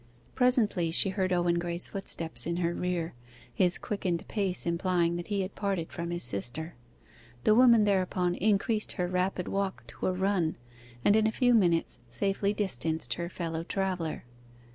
Presently she heard Owen Graye's footsteps in her rear, his quickened pace implying that he had parted from his sister. The woman thereupon increased her rapid walk to a run, and in a few minutes safely distanced her fellow traveller.